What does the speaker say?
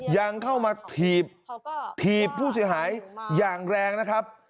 ยังเข้ามาถีบถีบผู้เสียหายอย่างแรงนะครับ